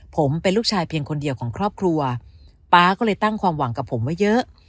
ผมเป็นลูกชายเพียงคนเดียวของครอบครัวป๊าก็เลยตั้งความหวังกับผมไว้เยอะ